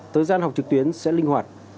thời gian học trực tuyến sẽ linh hoạt